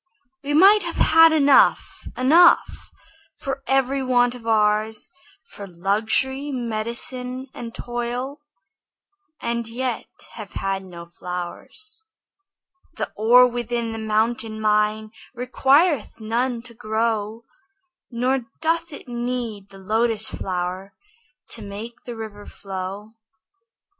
We might have had enough, enough For every want of ours, For luxury, medicine, and toil, And yet have had no flowers. The ore within the mountain mine Requireth none to grow; Nor doth it need the lotus flower To make the river flow.